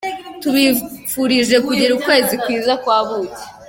Tubifurije kugira ukwezi kwiza kwa buki.